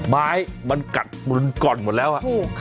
ไม้มันกัดมันก่อนหมดแล้ว